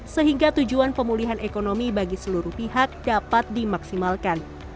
sehingga tujuan pemulihan ekonomi bagi seluruh pihak dapat dimaksimalkan